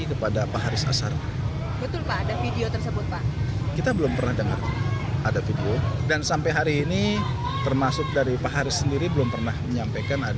karena kan ini otoritas daripada lapas